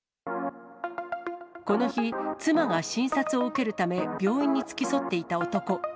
この日、妻が診察を受けるため、病院に付き添っていた男。